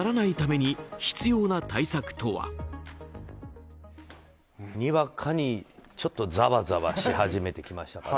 にわかに、ちょっとざわざわし始めてきましたね。